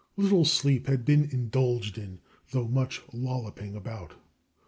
Little sleep had been indulged in though much "lolloping about."